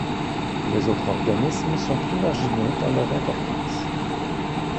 Les autres organismes sont plus marginaux dans leur importance.